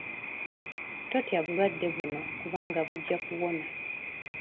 Totya bulwadde buno kubanga bujja kuwona.